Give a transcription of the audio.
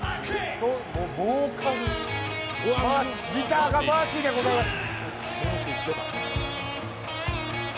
ギターがマーシーでございます！